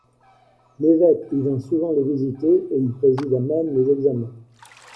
L'évêque y vint souvent les visiter et y présida même les examens.